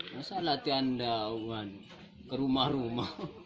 masa latihan daun ke rumah rumah